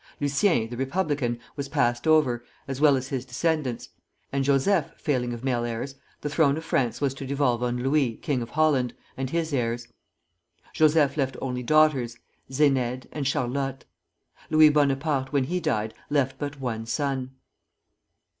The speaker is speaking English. Lucien, the republican, was passed over, as well as his descendants; and Joseph failing of male heirs, the throne of France was to devolve on Louis, king of Holland, and his heirs. Joseph left only daughters, Zénaide and Charlotte. Louis Bonaparte when he died, left but one son.